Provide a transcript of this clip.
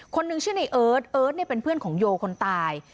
คนนึงชื่อในเอิร์ทเอิร์ทเนี่ยเป็นเพื่อนของโยคนตาย